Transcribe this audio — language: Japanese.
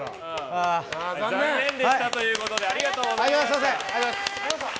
残念でしたということでありがとうございました。